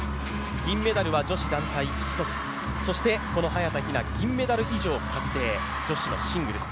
銀メダルは女子団体１つ、そしてこの早田ひな、金メダル以上確定、女子のシングルス。